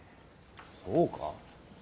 そうか？